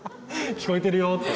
聞こえてるよって。